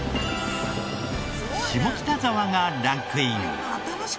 下北沢がランクイン。